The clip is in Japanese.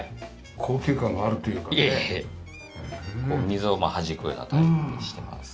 水をはじくようなタイプにしてます。